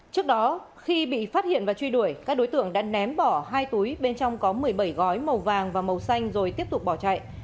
trước đó khi bị phát hiện và truy đuổi các đối tượng đã ném bỏ hai túi bên trong có một mươi bảy gói màu vàng và màu xanh rồi tiếp tục bỏ chạy